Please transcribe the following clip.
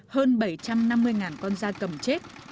hơn bảy trăm năm mươi con da cầm chết